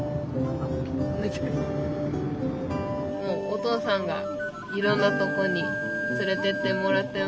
お父さんがいろんなとこに連れてってもらってました？